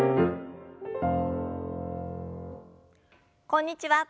こんにちは。